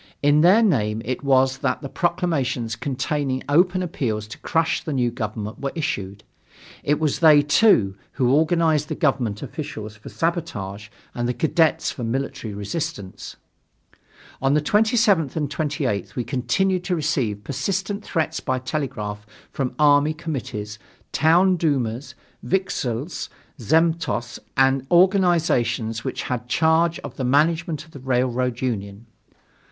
In their name it was that the proclamations containing open appeals to crush the new government were issued. It was they, too, who organized the government officials for sabotage and the cadets for military resistance. On the 27th and 28th we continued to receive persistent threats by telegraph from army committees, town dumas, vikzhel zemstvos, and organizations (which had charge of the management of the Railroad Union).